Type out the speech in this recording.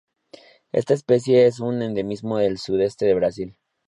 Esta especie es un endemismo del sudeste del Brasil.